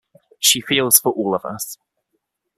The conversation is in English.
She feels for all of us.